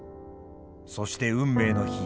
そして運命の日。